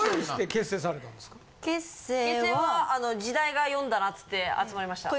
結成は時代が呼んだなっつって集まりました。